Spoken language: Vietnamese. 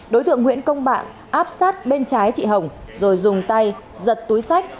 đối tượng nguyễn công bạn áp sát bên trái chị hồng rồi dùng tay giật túi sách